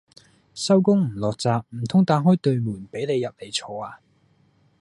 收工唔落閘，唔通打開對門俾你入嚟坐呀